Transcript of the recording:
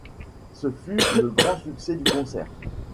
Ce fut le grand succès du concert.